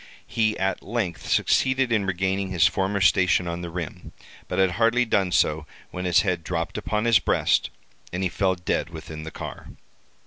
He at length succeeded in regaining his former station on the rim, but had hardly done so when his head dropped upon his breast, and he fell dead within the car.